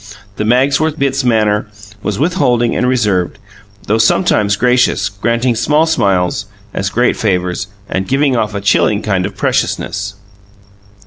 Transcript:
The Magsworth Bitts manner was withholding and reserved, though sometimes gracious, granting small smiles as great favours and giving off a chilling kind of preciousness.